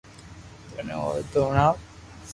ٿني ھوئي تو ھڻاو